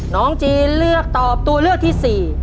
น้องจีนเลือกตอบตัวเลือกที่๔